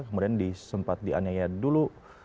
kemudian disempat dianyai dulu